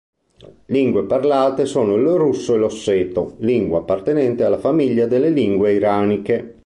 Lingue parlate sono il russo e l'osseto, lingua appartenente alla famiglia delle lingue iraniche.